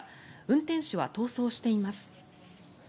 運転手は逃走しています。